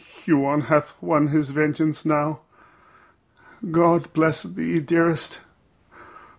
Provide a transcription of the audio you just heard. Huon hath won his vengeance now. God bless thee, dearest.